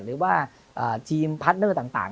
หรือว่าทีมพาร์ทเนอร์ต่าง